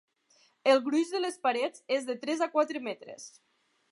El gruix de les parets és de tres a quatre metres.